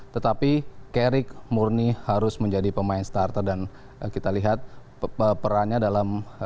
tetapi carric murni harus menjadi pemain starter dan kita lihat perannya dalam